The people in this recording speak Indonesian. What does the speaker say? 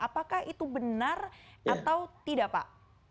apakah itu benar atau tidak pak